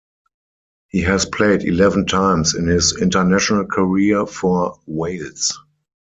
He has played eleven times in his international career for Wales.